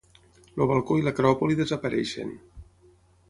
El balcó i l'Acròpoli desapareixen.